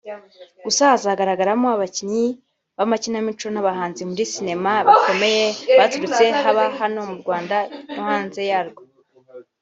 Gusa hazagaragaramo abakinnyi b’amakinamico n’abahanzi muri sinema bakomeye baturutse haba hano mu Rwanda no hanze yarwo